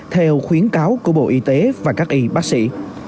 theo khuyến cáo của bộ y tế và các y bác sĩ